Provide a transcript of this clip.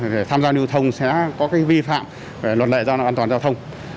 để tham gia lưu thông sẽ có vi phạm luật lệ giao năng an toàn giao thông